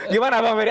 gimana pak meri